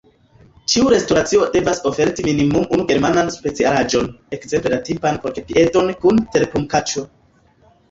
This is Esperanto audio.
Ĉiu restoracio devas oferti minimume unu germanan specialaĵon, ekzemple la tipan porkpiedon kun terpomkaĉo.